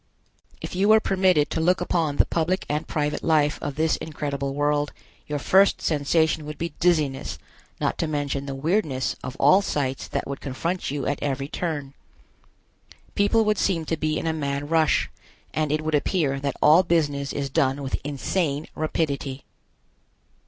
If you were permitted to look upon the public and private life of this incredible world, your first sensation would be dizziness, not to mention the weirdness of all sights that would confront you at every turn. People would seem to be in a mad rush, and it would appear that all business is done with insane rapidity.